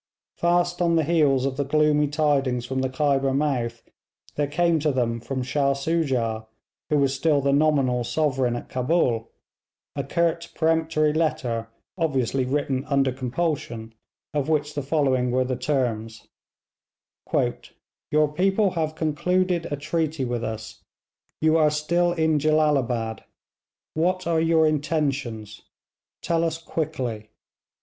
Fast on the heels of the gloomy tidings from the Khyber mouth there came to them from Shah Soojah, who was still the nominal sovereign at Cabul, a curt peremptory letter obviously written under compulsion, of which the following were the terms: 'Your people have concluded a treaty with us; you are still in Jellalabad; what are your intentions? Tell us quickly.'